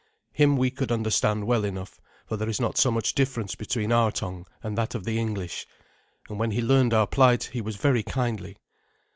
Him we could understand well enough, for there is not so much difference between our tongue and that of the English; and when he learned our plight he was very kindly.